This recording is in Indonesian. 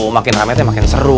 makin rametnya makin seru